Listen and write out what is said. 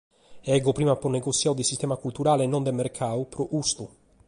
Deo prima apo negossiadu de sistema culturale e non de mercadu, pro custu.